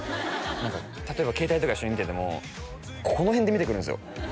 何か例えば携帯とか一緒に見ててもこの辺で見てくるんですよ